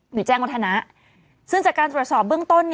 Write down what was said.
หรือแจ้งวัฒนะซึ่งจากการตรวจสอบเบื้องต้น